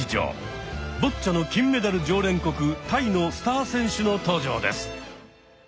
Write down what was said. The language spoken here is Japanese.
ボッチャの金メダル常連国タイのスター選手の登場です。